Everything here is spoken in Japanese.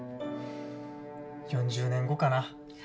４０年後かな